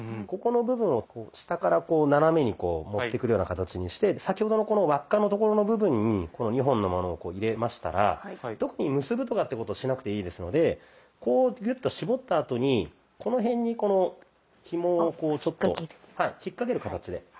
ここの部分を下から斜めにこう持ってくるような形にして先ほどのこの輪っかのところの部分にこの２本のものをこう入れましたら特に結ぶとかってことしなくていいですのでこうギュッと絞ったあとにこの辺にこのひもをこうちょっと引っ掛ける形で。